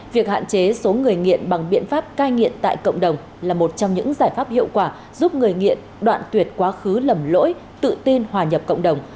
việc hạn chế số người nghiện bằng biện pháp cai nghiện tại cộng đồng là một trong những giải pháp hiệu quả giúp người nghiện đoạn tuyệt quá khứ lầm lỗi tự tin hòa nhập cộng đồng